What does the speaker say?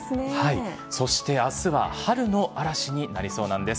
そして明日は春の嵐になりそうなんです。